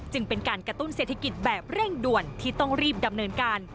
เป็นการกระตุ้นเศรษฐกิจแบบเร่งด่วนที่ต้องรีบดำเนินการ